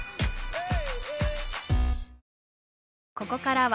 うん！